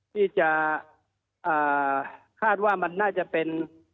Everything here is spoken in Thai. ที่จะคาดว่ามันน่าจะเป็น